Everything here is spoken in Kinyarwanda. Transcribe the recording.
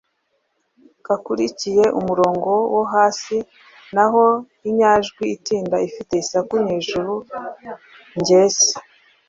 gakurikiye umurongo wo hasi. Naho inyajwi itinda ifite isaku nyejuru ngesi,